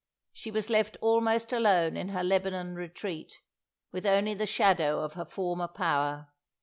She was left almost alone in her Lebanon retreat, with only the shadow of her former power.